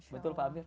betul pak amir